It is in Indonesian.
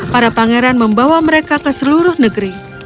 para pangeran membawa mereka ke seluruh negeri